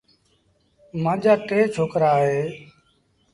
مآݩجآ ٽي ڇوڪرآ اوهيݩ ۔